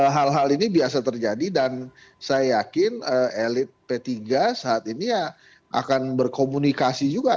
hal hal ini biasa terjadi dan saya yakin elit p tiga saat ini ya akan berkomunikasi juga